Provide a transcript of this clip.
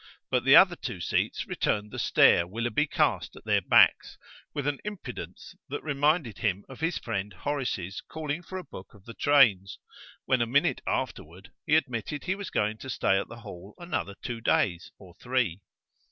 but the other two seats returned the stare Willoughby cast at their backs with an impudence that reminded him of his friend Horace's calling for a book of the trains, when a minute afterward he admitted he was going to stay at the Hall another two days, or three.